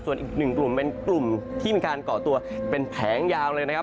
ส่วนอีกหนึ่งกลุ่มเป็นกลุ่มที่มีการก่อตัวเป็นแผงยาวเลยนะครับ